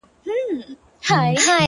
كله توري سي،